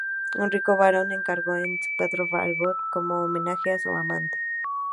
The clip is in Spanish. Un rico barón encargó este cuadro a Fragonard, como homenaje a su amante.